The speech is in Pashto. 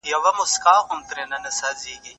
مور د خپل مزاج مطابق نجلۍ غواړي